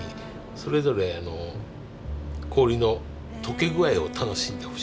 それぞれ氷のとけ具合を楽しんでほしいです。